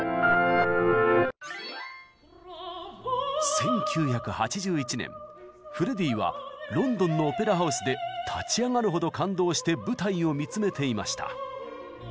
１９８１年フレディはロンドンのオペラ・ハウスで立ち上がるほど感動して舞台を見つめていました。